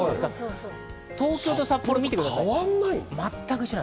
東京と札幌を見てください全く一緒。